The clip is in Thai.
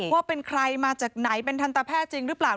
ว่าเป็นใครมาจากไหนเป็นทันตแพทย์จริงหรือเปล่า